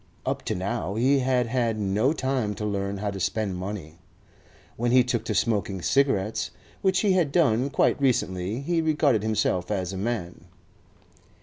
Up to now he had had no time to learn how to spend money. When he took to smoking cigarettes, which he had done quite recently, he regarded himself as a man.